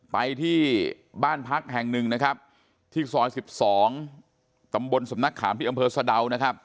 ไปที่บ้านพักแห่งหนึ่งที่ซอย๑๒ตำบลสำนักข่ามที่อำเภอสะดาว